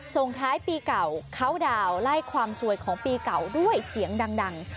ส่งท้ายปีเก่าเขาดาวนไล่ความสวยของปีเก่าด้วยเสียงดัง